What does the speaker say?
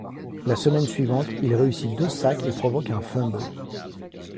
La semaine suivante, il réussit deux sacks et provoque un fumble.